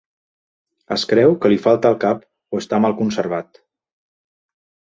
Es creu que li falta el cap o està mal conservat.